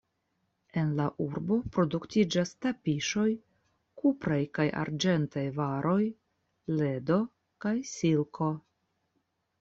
En la urbo produktiĝas tapiŝoj, kupraj kaj arĝentaj varoj, ledo kaj silko.